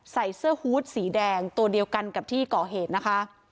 ใส่เสื้อฮูตสีแดงตัวเดียวกันกับที่ก่อเหตุนะคะ